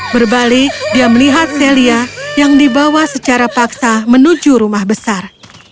berbalik dia melihat celia yang dibawa secara paksa menuju rumah besar